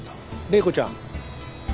麗子ちゃん。